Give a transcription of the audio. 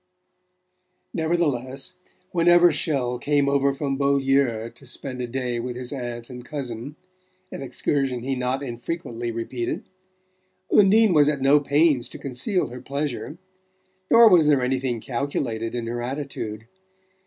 Nevertheless, whenever Chelles came over from Beaulieu to spend a day with his aunt and cousin an excursion he not infrequently repeated Undine was at no pains to conceal her pleasure. Nor was there anything calculated in her attitude.